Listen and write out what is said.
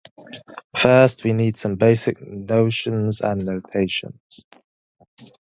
First we need some basic notions and notations.